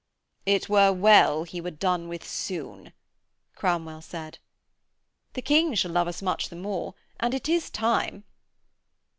'It were well he were done with soon,' Cromwell said. 'The King shall love us much the more; and it is time.'